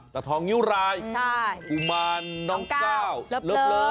ตะทองนิ้วรายกุมารน้องก้าวเลิฟ